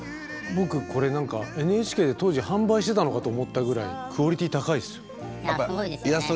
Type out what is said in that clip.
僕これＮＨＫで当時販売してたのかと思ったぐらいクオリティー高いですよ。